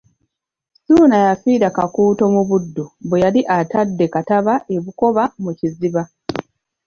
Ssuuna yafiira Kakuuto mu Buddu bwe yali atabadde Kattaba e Bukoba mu Kiziba.